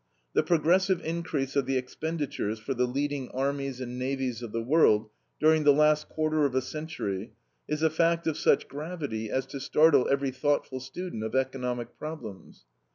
The progressive increase of the expenditures for the leading armies and navies of the world during the last quarter of a century is a fact of such gravity as to startle every thoughtful student of economic problems.